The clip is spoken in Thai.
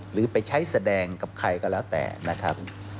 หรือไปใช้แสดงกับใครก็แล้วแต่นะครับ